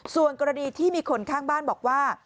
ส่วนกรณีที่มีคนข้างบ้านบอกว่า